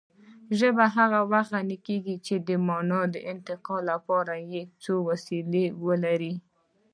ژبه هغه وخت غني کېږي چې د مانا د انتقال لپاره څو وسیلې ولري